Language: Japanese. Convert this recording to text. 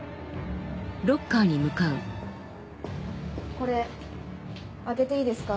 これ開けていいですか？